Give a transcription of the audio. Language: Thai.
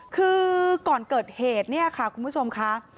คือก่อนเกิดเหตุคุณผู้ชมค่ะ